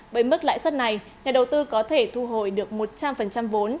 với mức lãi suất này nhà đầu tư có thể thu hồi được một trăm linh vốn